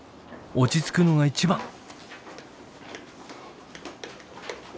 落ち着くのが一番！